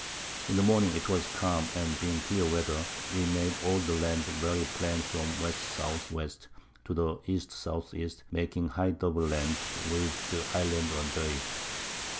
In the Morning 'twas calm, and being clear Weather, we made all the Land very plain from W. S. W. to the E. S. E. making high double Land, with Islands under it.